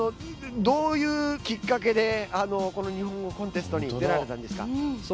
どういうきっかけで日本語コンテストに出られたんですか？